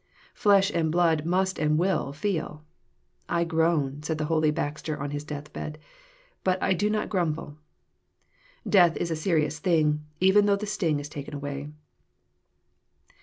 Flesh and blood must and will feel. '' I groan," said holy Baxter on his death bed, '' but I do not grumble." Death is a serious thing, even though the sting is taken away.